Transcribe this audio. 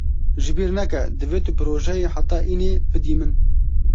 Ji bîr neke divê tu projeyê heta înê bidî min.